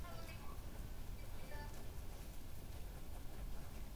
Kongo inaongeza zaidi ya watu milioni tisini katika Jumuiya ya Afrika Mashariki